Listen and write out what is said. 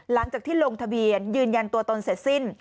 หลังจากที่ลงทะเบียนยืนยันตัวตนเสร็จสิ้น